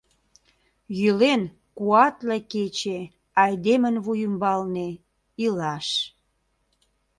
Йӱлен куатле кече айдемын вуй ӱмбалне — Илаш!